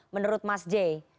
menurut mas j